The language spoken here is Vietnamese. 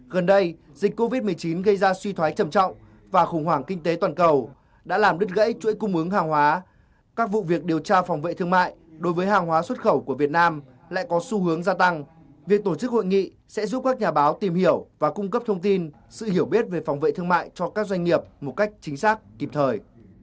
gần đây dịch covid một mươi chín gây ra suy thoái trầm trọng và khủng hoảng kinh tế toàn cầu đã làm đứt gãy chuỗi cung ứng hàng hóa các vụ việc điều tra phòng vệ thương mại đối với hàng hóa xuất khẩu của việt nam lại có xu hướng gia tăng việc tổ chức hội nghị sẽ giúp các nhà báo tìm hiểu và cung cấp thông tin sự hiểu biết về phòng vệ thương mại cho các doanh nghiệp một cách chính xác kịp thời